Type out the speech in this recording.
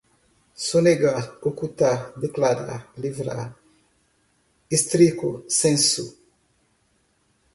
sonegar, ocultar, declarar, livrar, stricto sensu